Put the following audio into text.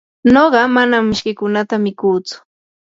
nuqa manam mishkiykunata mikutsu.